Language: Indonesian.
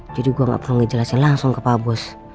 jadi gua gak perlu ngejelasin langsung ke pak bos